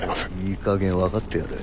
いいかげん分かってやれ。